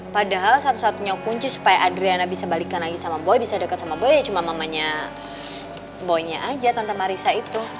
padahal satu satunya kunci supaya adriana bisa balikan lagi sama boy bisa dekat sama boy ya cuma mamanya boy nya aja tanpa marissa itu